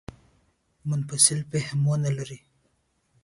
منفصل فهم ونه لري.